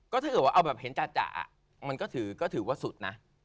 ก็ถ้าเกิดว่าเอาแบบเห็นจามันก็ถือว่าสุดนะ